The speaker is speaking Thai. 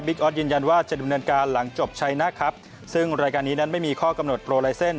ออสยืนยันว่าจะดำเนินการหลังจบชัยนะครับซึ่งรายการนี้นั้นไม่มีข้อกำหนดโปรไลเซ็นต